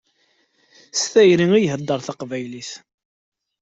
S tayri i iheddeṛ taqbaylit.